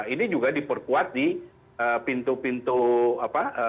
ini juga diperkuat di pintu pintu apa